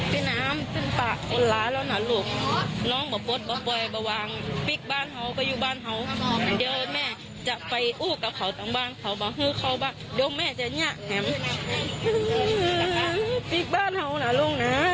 เดี๋ยวแม่จะไปอู้กับเขาตรงบ้านเขามาฮือเขาบ้านเดี๋ยวแม่จะเนี่ย